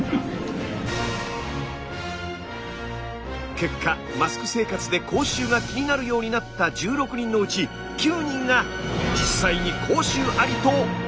結果マスク生活で口臭が気になるようになった１６人のうち９人が実際に口臭ありと判明しました！